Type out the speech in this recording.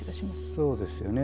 そうですよね。